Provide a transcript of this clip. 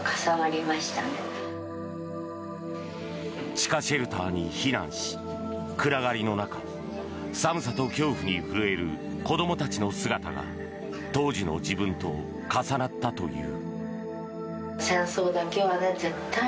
地下シェルターに避難し暗がりの中寒さと恐怖に震える子どもたちの姿が当時の自分と重なったという。